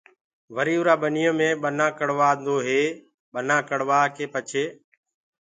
وري اُرآ ٻنيو مي ٻنآ ڪڙوآدو هي ٻنآ ڪڙوآڪي پڇي